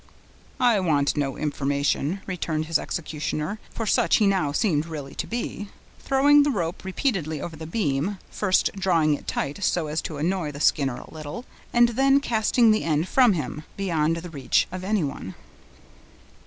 "I want no information," returned his executioner (for such he now seemed really to be), throwing the rope repeatedly over the beam, first drawing it tight so as to annoy the Skinner a little, and then casting the end from him, beyond the reach of anyone.